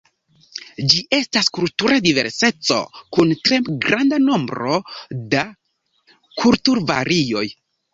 Ĝi estas kultura diverseco kun tre granda nombro da kulturvarioj.